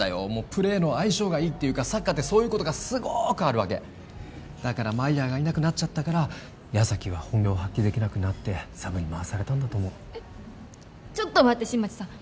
プレーの相性がいいっていうかサッカーってそういうことがすごーくあるわけだからマイヤーがいなくなっちゃったから矢崎は本領発揮できなくなってサブに回されたんだと思うちょっと待って新町さん